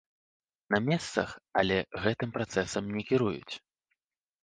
На месцах, але гэтым працэсам не кіруюць.